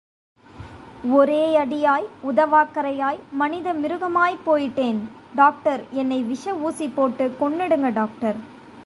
ஒரேயடியாய் உதவாக்கரையாய்.... மனித மிருகமாய்ப் போயிட்டேன் டாக்டர் என்னை விஷ ஊசி போட்டு கொன்னுடுங்க டாக்டர்.